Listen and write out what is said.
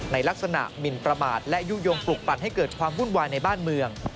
ในลักษณะหมินประมาทและยุโยงปลุกปั่นให้เกิดความวุ่นวายในบ้านเมือง